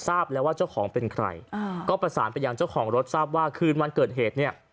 ทราบแล้วว่าเจ้าของเป็นใครอ่าก็ประสานไปยังเจ้าของรถทราบว่าคืนวันเกิดเหตุเนี่ย